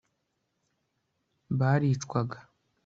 baricwaga,